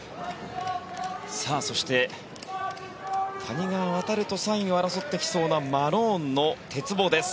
そして、谷川航と３位を争ってきそうなマローンの鉄棒です。